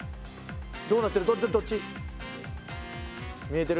どうなってる？